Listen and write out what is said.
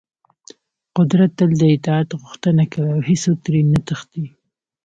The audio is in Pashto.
قدرت تل د اطاعت غوښتنه کوي او هېڅوک ترې نه تښتي.